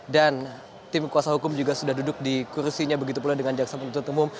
dan tim kuasa hukum juga sudah duduk di kursinya begitu pulang dengan jaksa pemerintah umum